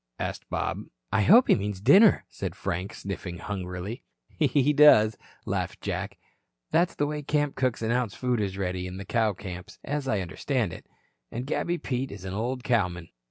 asked Bob. "I hope he means dinner," said Frank, sniffing hungrily. "He does," laughed Jack. "That's the way camp cooks announce food is ready in the cow camps, as I understand it. And Gabby Pete is an old cowman."